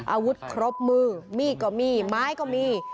อาวุธครบมือมีดก็มีไม้ก็มี